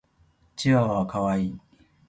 チワワは可愛い。